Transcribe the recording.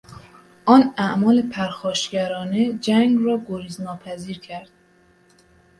آن اعمال پرخاشگرانه جنگ را گریز ناپذیر کرد.